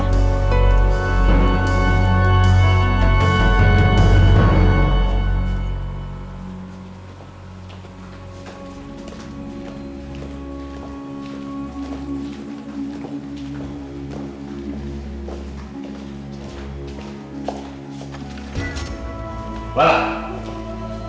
tapi pada waktu kitaumbers